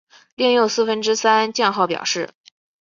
另有四分之三降号表示。